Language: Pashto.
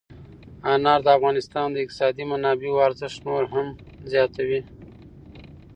انار د افغانستان د اقتصادي منابعو ارزښت نور هم زیاتوي.